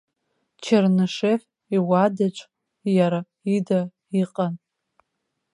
Чернышев иуадаҿ иара ида иҟан.